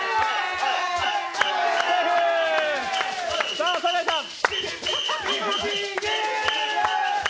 さあ、酒井さん。